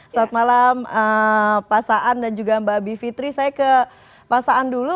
saat malam pasaan dan juga mbak bivitri saya ke pasaan dulu